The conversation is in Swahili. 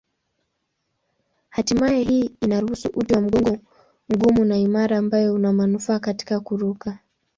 Hatimaye hii inaruhusu uti wa mgongo mgumu na imara ambayo una manufaa katika kuruka.